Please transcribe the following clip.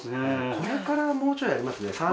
これからもうちょいありますね。